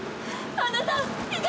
あなた。